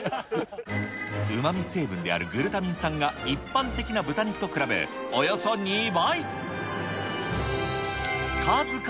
うまみ成分であるグルタミン酸が一般的な豚肉と比べ、およそ２倍。